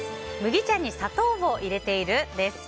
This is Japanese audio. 麦茶に砂糖を入れている？です。